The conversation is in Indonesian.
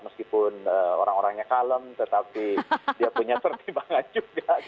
meskipun orang orangnya kalem tetapi dia punya pertimbangan juga